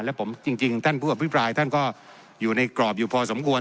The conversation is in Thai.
และผมจริงท่านผู้อภิปรายท่านก็อยู่ในกรอบอยู่พอสมควร